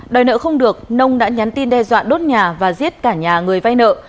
đòi nợ không được nông đã nhắn tin đe dọa đốt nhà và giết cả nhà người vay nợ